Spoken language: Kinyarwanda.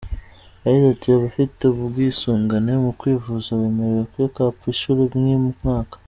Yagize ati “Abafite ubwisungane mu kwivuza bemerewe ‘check up’ inshuro imwe mu mwaka.